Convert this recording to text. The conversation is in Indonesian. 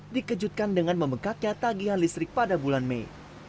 dikejutkan dengan membengkaknya tagihan listrik pada bulan mei